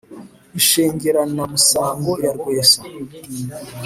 ishengeranamusango ya rwesa